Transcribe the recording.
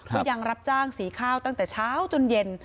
ก็ยังรับจ้างสีข้าวตั้งแต่เช้าจนเย็น